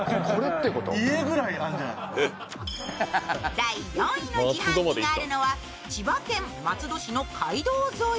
第４位の自販機があるのは千葉県松戸市の街道沿い。